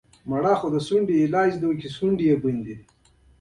د مشرانو احترام کوه.په کشرانو شفقت کوه